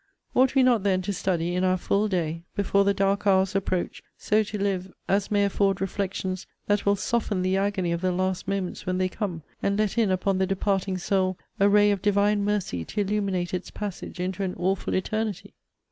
Ought we not then to study in our full day, before the dark hours approach, so to live, as may afford reflections that will soften the agony of the last moments when they come, and let in upon the departing soul a ray of Divine mercy to illuminate its passage into an awful eternity?